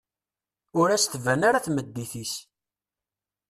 Ur as-tban ara tmeddit-is.